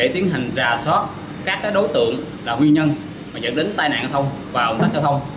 tiến hành rà soát các đối tượng là huy nhân mà dẫn đến tai nạn giao thông và ông tác giao thông